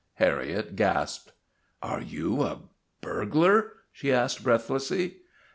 Harriet gasped. 'Are you a burglar?' she asked breathlessly.